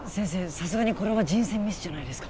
さすがにこれは人選ミスじゃないですか？